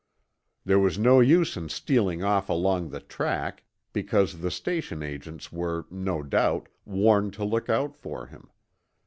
There was no use in stealing off along the track, because the station agents were, no doubt, warned to look out for him.